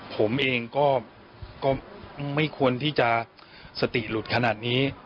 ผมเองก็ไม่ควรที่จะสติหลุดขนาดนี้